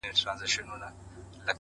مينه مني ميني څه انكار نه كوي،